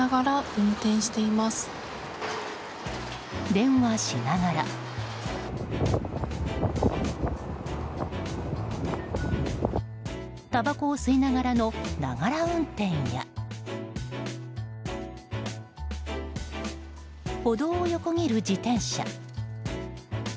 電話しながらたばこを吸いながらのながら運転や歩道を横切る自転車。